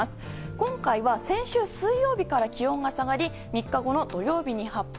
今回は先週水曜日から気温が下がり３日後の土曜日に発表。